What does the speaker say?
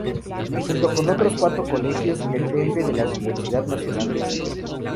Junto con otros cuatro colegios depende de la Universidad Nacional de Cuyo.